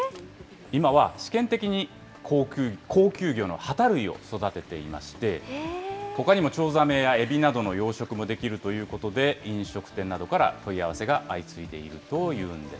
今は、試験的に高級魚のハタ類を育てていまして、ほかにもチョウザメやエビなどの養殖もできるということで、飲食店などから問い合わせが相次いでいるというんです。